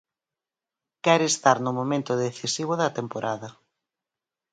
Quere estar no momento decisivo da temporada.